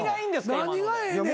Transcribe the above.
何がええねん。